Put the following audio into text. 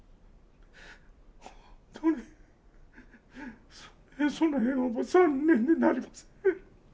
本当にその辺は残念でなりません。